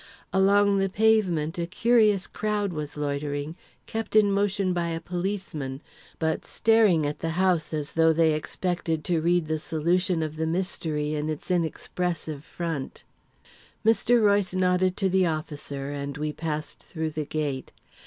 Along the pavement, a curious crowd was loitering, kept in motion by a policeman, but staring at the house as though they expected to read the solution of the mystery in its inexpressive front. Mr. Royce nodded to the officer, and we passed through the gate.